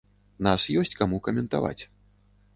Нас ёсць каму каментаваць.